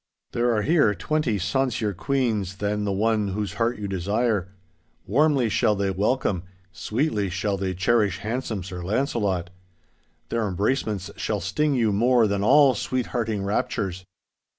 There are here twenty sonsier queans than the one whose heart you desire. Warmly shall they welcome, sweetly shall they cherish handsome Sir Launcelot. Their embracements shall sting you more than all sweethearting raptures.